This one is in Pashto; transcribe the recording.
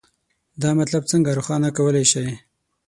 دا مطلب څنګه روښانه کولی شئ؟